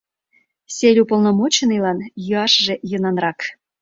Сельуполномоченныйлан йӱашыже йӧнанрак...